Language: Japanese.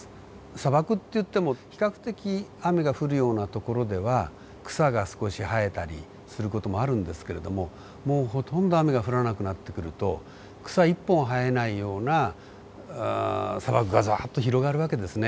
砂漠っていっても比較的雨が降るような所では草が少し生えたりする事もあるんですけれどももうほとんど雨が降らなくなってくると草一本生えないような砂漠がざっと広がる訳ですね。